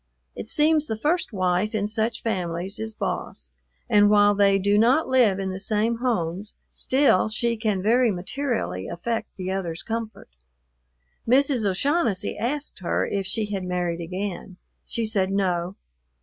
It seems the first wife in such families is boss, and while they do not live in the same homes, still she can very materially affect the other's comfort. Mrs. O'Shaughnessy asked her if she had married again. She said, "No."